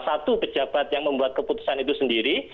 satu pejabat yang membuat keputusan itu sendiri